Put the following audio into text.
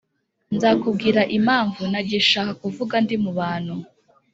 Nzakubwira impamvu nagishak kuvuga ndi mubantu